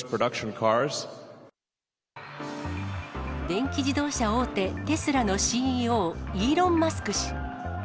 電気自動車大手、テスラのＣＥＯ、イーロン・マスク氏。